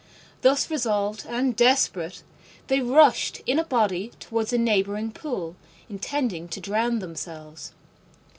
Thus resolved and desperate, they rushed in a body towards a neighbouring pool, intending to drown themselves.